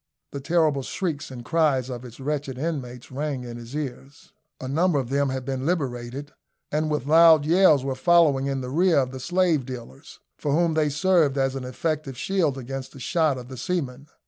The terrible shrieks and cries of its wretched inmates rang in his ears. A large number of them had been liberated, and with loud yells were following in the rear of the slave dealers, for whom they served as an effective shield against the shot of the seamen.